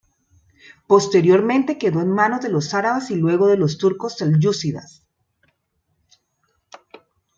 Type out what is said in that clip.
Posteriormente quedó en manos de los árabes y, luego, de los turcos selyúcidas.